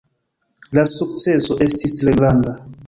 La sukceso estis tre granda.